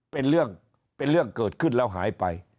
เป็นเรื่องเกิดขึ้นแล้วหายไป